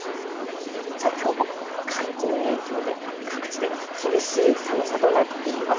さあ、きょうも寒気の影響で各地で厳しい寒さとなっています。